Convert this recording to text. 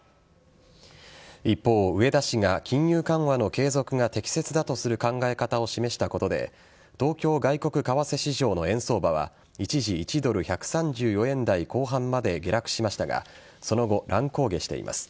一方、植田氏が金融緩和の継続が適切だとする考え方を示したことで東京外国為替市場の円相場は一時１ドル１３４円台後半まで下落しましたがその後、乱高下しています。